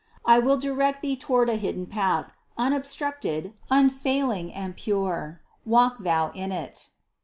I will direct thee toward a hidden path, unobstruct ed, unfailing and pure ; walk thou in it."